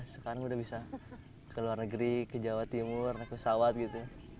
sekarang udah bisa ke luar negeri ke jawa timur naik pesawat gitu